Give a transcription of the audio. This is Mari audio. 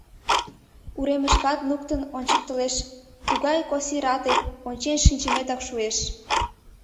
Уремышкат луктын ончыктылеш: тугай косир ате — ончен шинчыметак шуэш.